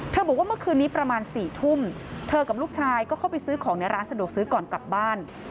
บอกว่าเมื่อคืนนี้ประมาณ๔ทุ่มเธอกับลูกชายก็เข้าไปซื้อของในร้านสะดวกซื้อก่อนกลับบ้าน